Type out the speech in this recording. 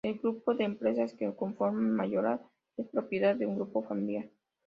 El grupo de empresas que conforman Mayoral es propiedad de un grupo familiar.